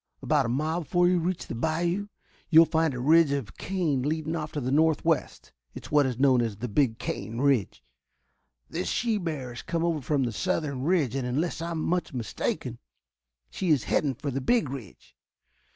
About a mile before you reach the bayou you will find a ridge of cane leading off to the northwest. It is what is known as the Big Cane Ridge. This she bear has come over from the southern ridge, and, unless I am much mistaken, she is heading for the Big Ridge.